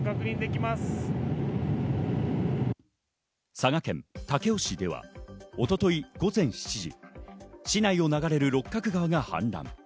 佐賀県武雄市では一昨日午前７時、市内を流れる六角川が氾濫。